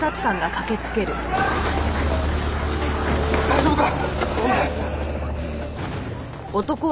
大丈夫か？